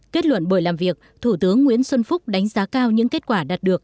kết luận bởi làm việc thủ tướng nguyễn xuân phúc đánh giá cao những kết quả đạt được